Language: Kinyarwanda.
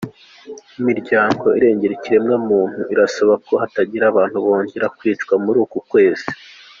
Imiryango irengera ikiremwa muntu irasaba ko hatagira abantu bongera kwicwa muri uku kwezi.